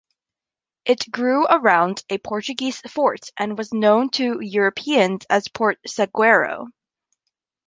It grew around a Portuguese fort and was known to Europeans as "Porto Seguro".